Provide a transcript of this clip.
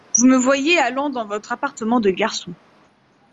Vous me voyez allant dans votre appartement de garçon.